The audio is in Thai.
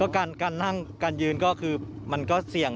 การนั่งการยืนก็คือมันก็เสี่ยง